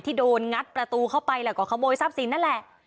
โดนงัดประตูเข้าไปแล้วก็ขโมยทรัพย์สินนั่นแหละ